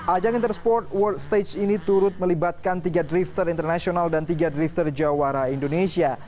ajang intersport world stage ini turut melibatkan tiga drifter internasional dan tiga drifter jawara indonesia